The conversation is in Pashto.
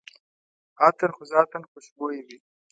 عطر خو ذاتاً خوشبویه وي.